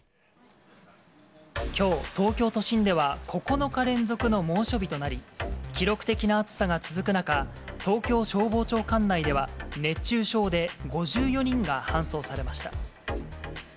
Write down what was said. きょう、東京都心では９日連続の猛暑日となり、記録的な暑さが続く中、東京消防庁管内では、熱中症で５４人が搬送されました。